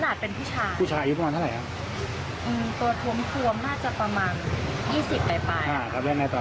แล้วผู้ชายก็รีบขับรถมาจอดหายเพื่อที่จะไม่ให้ผู้หญิงขับนี้